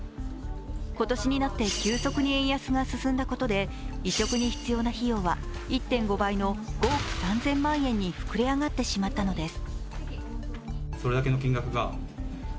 今年になって急速に円安が進んだことで異色に必要な費用は１．５倍の５億３０００万円に膨れ上がってしまったのです。